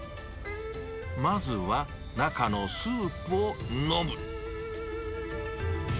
まずは中のスープを飲む。